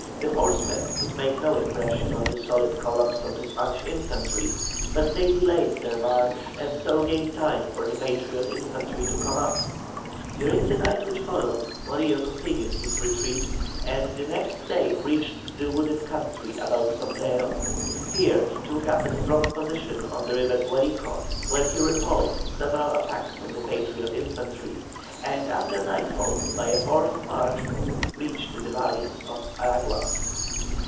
The horsemen could make no impression on the solid columns of the Spanish infantry, but they delayed their march and so gave time for the Patriot infantry to come up. During the night which followed Morillo continued his retreat, and the next day reached the wooded country about Sombrero. Here he took up a strong position on the river Guarico, where he repulsed several attacks of the Patriot infantry, and after nightfall, by a forced march, reached the valleys of Aragua.